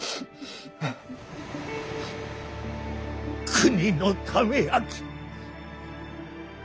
国のためやき。